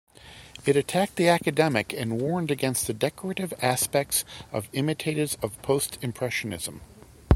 It attacked the academic and warned against the 'decorative' aspect of imitators of Post-Impressionism.